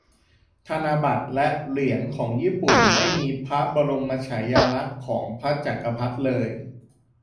ธนบัตรและหรียนของญี่ปุ่นไม่มีพระบรมนมฉายาลักษ์ของพระจักรพรรดิเลย